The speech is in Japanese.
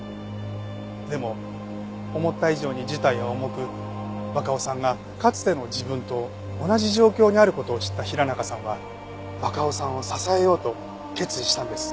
でも思った以上に事態は重く若尾さんがかつての自分と同じ状況にある事を知った平中さんは若尾さんを支えようと決意したんです。